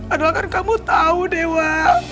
adalah kan kamu tahu dewa